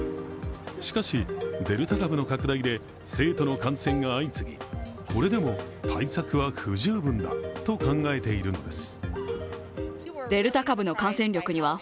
しかし、デルタ株の拡大で生徒の感染が相次ぎ、これでも対策は不十分だと考えているのです。